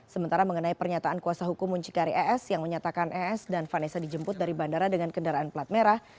sementara mengenai pernyataan kuasa hukum muncikari es yang menyatakan es dan vanessa dijemput dari bandara dengan kendaraan pelat merah